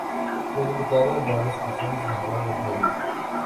Fue diputado en varias ocasiones y senador del Reino.